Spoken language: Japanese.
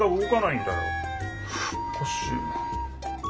おかしいな。